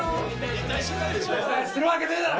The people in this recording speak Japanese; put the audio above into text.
引退するわけねえだろ！